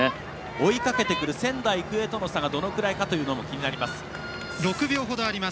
追いかけてくる仙台育英との差がどのくらいかも６秒ほどあります。